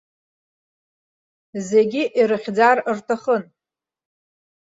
Зегьы ирыхьӡар рҭахын.